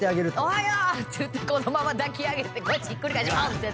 「おはよう！」って言ってこのまま抱き上げてひっくり返して起こすっていう。